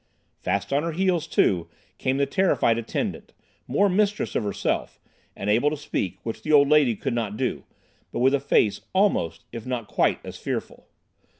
Fast on her heels, too, came the terrified attendant, more mistress of herself, and able to speak—which the old lady could not do—but with a face almost, if not quite, as fearful.